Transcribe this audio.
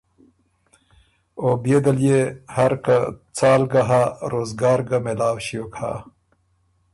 او بيې دل يې، هر که څال ګۀ هۀ، روزګار ګه مېلاؤ ݭیوک هۀ